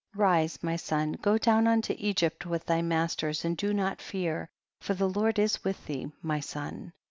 40. Rise my son, go down unto Egypt with thy masters, and do not fear, for the Lord is with thee, my son.